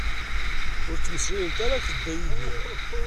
Ur ttmeslayemt ara akked Dda Yidir.